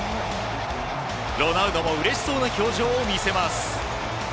ロナウドもうれしそうな表情を見せます。